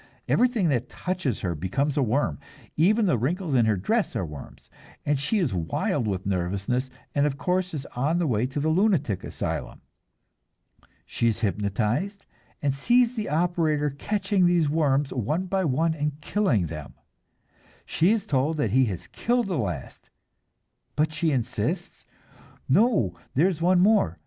Everything that touches her becomes a worm, even the wrinkles in her dress are worms, and she is wild with nervousness, and of course is on the way to the lunatic asylum. She is hypnotized and sees the operator catching these worms one by one and killing them. She is told that he has killed the last, but she insists, "No, there is one more."